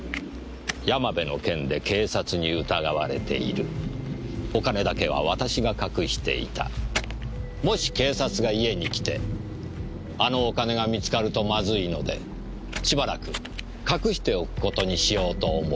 「山部の件で警察に疑われている」「お金だけは私が隠していた」「もし警察が家に来てあのお金が見つかるとまずいのでしばらく隠しておくことにしようと思う」